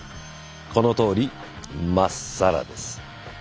このとおりまっさらです。